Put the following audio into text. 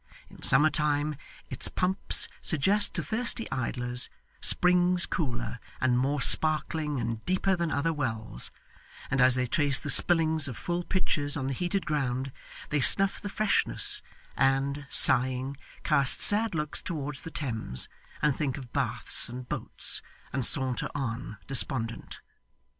In summer time, its pumps suggest to thirsty idlers, springs cooler, and more sparkling, and deeper than other wells; and as they trace the spillings of full pitchers on the heated ground, they snuff the freshness, and, sighing, cast sad looks towards the Thames, and think of baths and boats, and saunter on, despondent.